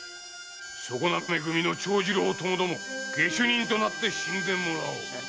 そこなめ組の長次郎ともども下手人となって死んでもらおう。